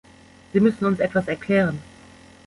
Sie müssen uns etwas erklären.